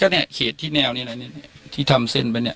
ก็เนี่ยเขตที่แนวนี้นะที่ทำเส้นไปเนี่ย